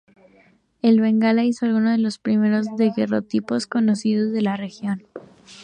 En Bengala hizo algunos de los primeros daguerrotipos conocidos de la región.